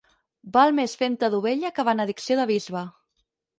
Val més femta d'ovella que benedicció de bisbe.